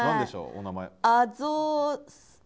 お名前。